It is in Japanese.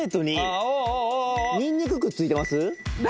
ニンニクくっついてます？